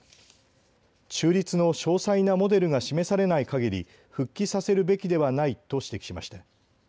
中立の詳細なモデルが示されないかぎり復帰させるべきではないと指摘しました。